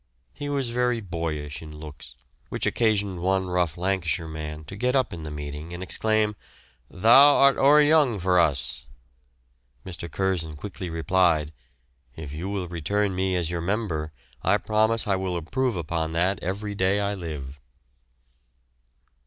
He was very boyish in looks, which occasioned one rough Lancashire man to get up in the meeting and exclaim, "Thou art o'er young for us." Mr. Curzon quickly replied, "If you will return me as your member I promise I will improve upon that every day I live."